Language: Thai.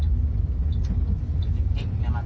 จริงนี่มัน